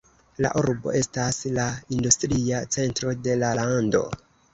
La urbo estas la industria centro de la lando.